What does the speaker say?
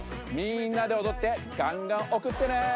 みんなでおどってがんがんおくってね！